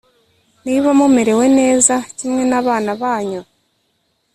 niba mumerewe neza kimwe n'abana banyu